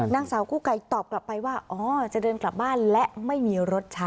นางสาวกู้ไก่ตอบกลับไปว่าอ๋อจะเดินกลับบ้านและไม่มีรถใช้